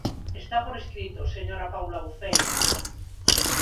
Está por escrito, señora Paula Uceira.